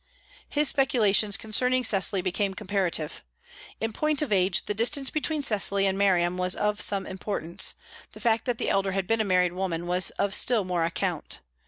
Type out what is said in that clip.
His speculations concerning Cecily became comparative. In point of age, the distance between Cecily and Miriam was of some importance; the fact that the elder had been a married woman was of still more account.